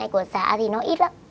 hay của xã thì nó ít lắm